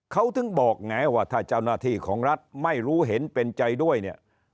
เขาถึงบอกไงว่าถ้าเจ้าหน้าที่ของรัฐไม่รู้เห็นเป็นใจด้วยเนี่ย